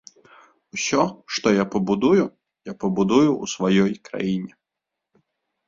Усё, што я пабудую, я пабудую ў сваёй краіне.